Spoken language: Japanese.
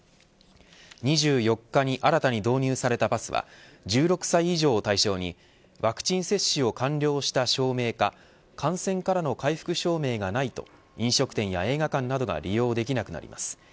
２４日に新たに導入されたパスは１６歳以上を対象にワクチン接種を完了した証明か感染からの回復証明がないと飲食店や映画館などが利用できなくなります。